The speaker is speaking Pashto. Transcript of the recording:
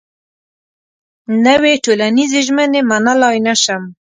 نوې ټولنيزې ژمنې منلای نه شم.